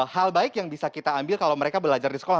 hal baik yang bisa kita ambil kalau mereka belajar di sekolah